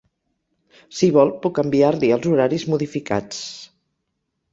Si vol puc enviar-li els horaris modificats.